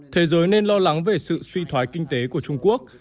thế giới nên lo lắng về sự suy thoái kinh tế của trung quốc